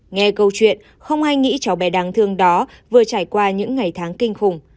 nghe câu chuyện không ai nghĩ cháu bé đáng thương đó vừa trải qua những ngày tháng kinh khủng